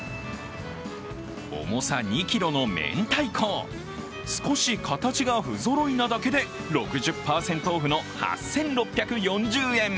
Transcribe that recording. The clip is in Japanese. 重さ２ｋｇのめんたいこ、少し形が不ぞろいなだけで６０％オフの８６４０円。